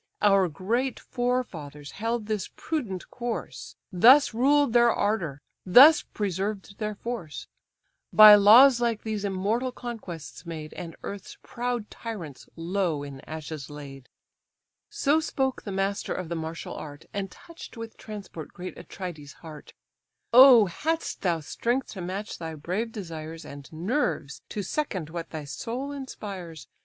Our great forefathers held this prudent course, Thus ruled their ardour, thus preserved their force; By laws like these immortal conquests made, And earth's proud tyrants low in ashes laid." So spoke the master of the martial art, And touch'd with transport great Atrides' heart. "Oh! hadst thou strength to match thy brave desires, And nerves to second what thy soul inspires!